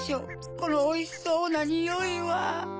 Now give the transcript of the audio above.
このおいしそうなにおいは。